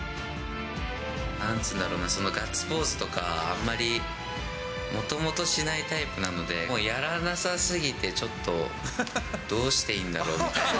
なんつうんだろうな、そのガッツポーズとか、あんまりもともとしないタイプなので、もう、やらなさすぎてちょっとどうしていいんだろうみたいな。